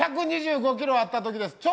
１２５ｋｇあったときです。